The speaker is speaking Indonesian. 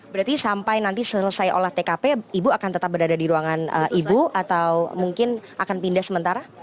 berarti sampai nanti selesai olah tkp ibu akan tetap berada di ruangan ibu atau mungkin akan pindah sementara